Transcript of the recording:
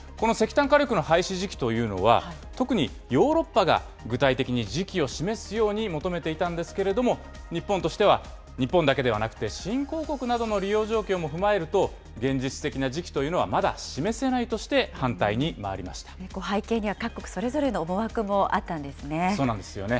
この石炭火力の廃止時期というのは、特にヨーロッパが具体的に時期を示すように求めていたんですけれども、日本としては、日本だけではなくて、新興国などの利用状況も踏まえると、現実的な時期というのは、まだ示せないとして、背景には各国それぞれの思惑そうなんですよね。